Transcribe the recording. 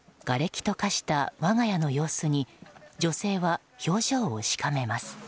がれきと化した我が家の様子に女性は表情をしかめます。